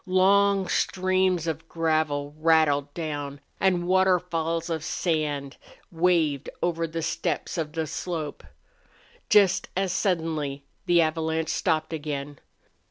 Long streams of gravel rattled down, and waterfalls of sand waved over the steppes of the slope. Just as suddenly the avalanche stopped again.